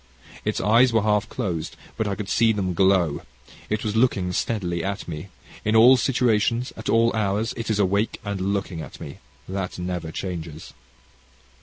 Its eyes were half closed, but I could see them glow. It was looking steadily at me. In all situations, at all hours, it is awake and looking at me. That never changes.